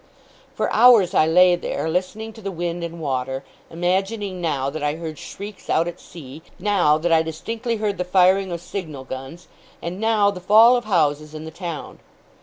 For hours I lay there, listening to the wind and water; imagining, now, that I heard shrieks out at sea; now, that I distinctly heard the firing of signal guns; and now, the fall of houses in the town.